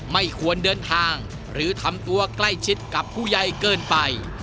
ไม่ควรเดินทางหรือทำตัวใกล้ชิดกับผู้ใหญ่เกินไป